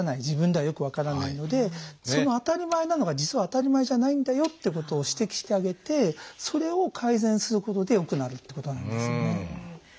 自分ではよく分からないのでその当たり前なのが実は当たり前じゃないんだよってことを指摘してあげてそれを改善することで良くなるっていうことなんですよね。